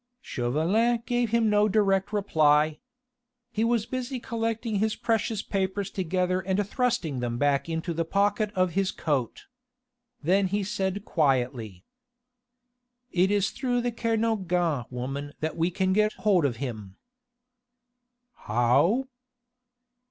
Chauvelin gave him no direct reply. He was busy collecting his precious papers together and thrusting them back into the pocket of his coat. Then he said quietly: "It is through the Kernogan woman that we can get hold of him." "How?"